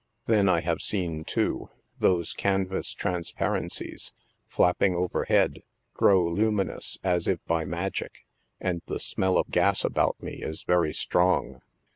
Then I have seen, too, those canvas transparencies, flapping over head, grow luminous, as if by magic, and the smell of gas about me is very strong.